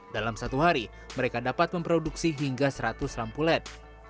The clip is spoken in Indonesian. dalam satu hari mereka dapat memproduksi hingga seratus lampu led